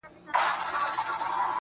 • د اوښ بـارونـه پـــه واوښـتـل.